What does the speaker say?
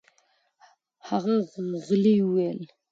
هغه غلې وویل: